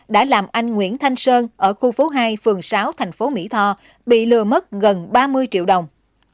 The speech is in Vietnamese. đã làm anh nguyễn thanh sơn ở khu phố hai phường sáu thành phố mỹ tho bị lừa mất gần ba mươi triệu đồng